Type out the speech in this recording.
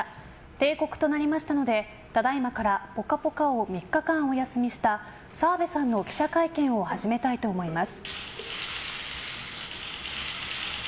定刻となりましたのでただ今から「ぽかぽか」を３日間お休みした澤部さんの記者会見を始めたいと思います。